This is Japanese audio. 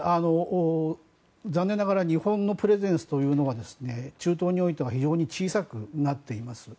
残念ながら日本のプレゼンスというのは中東においては非常に小さくなっています。